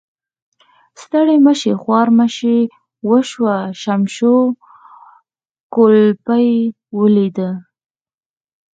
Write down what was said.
ستړي مشي او خوارمشي وشوه، شمشو کولپۍ ولیده.